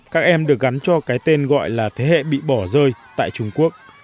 các em được gắn cho cái tên gọi là thế hệ bị bỏ rơi tại trung quốc